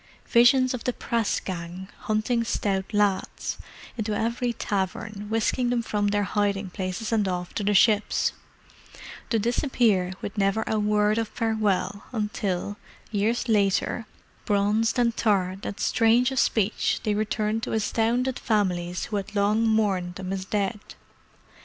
Visions of the press gang, hunting stout lads, into every tavern, whisking them from their hiding places and off to the ships: to disappear with never a word of farewell until, years later, bronzed and tarred and strange of speech, they returned to astounded families who had long mourned them as dead.